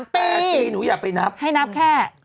แต่ทีหนูอย่าไปนับให้นับแค่